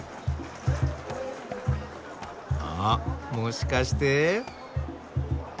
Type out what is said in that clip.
あもしかして？